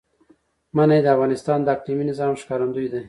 منی د افغانستان د اقلیمي نظام ښکارندوی ده.